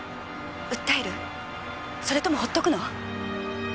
訴える？それとも放っておくの？